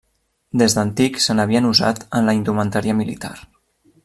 Des d'antic se n'havien usat en la indumentària militar.